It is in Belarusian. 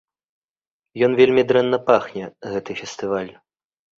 Ён вельмі дрэнна пахне гэты фестываль.